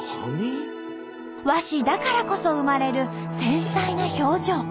和紙だからこそ生まれる繊細な表情。